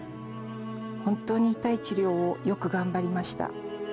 本当に痛い治療をよく頑張りました。